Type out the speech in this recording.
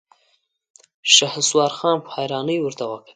شهسوار خان په حيرانۍ ورته کتل.